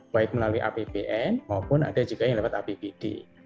baik melalui apbn maupun ada juga yang dapat apbd